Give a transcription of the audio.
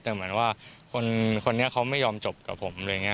แต่เหมือนว่าคนนี้เขาไม่ยอมจบกับผม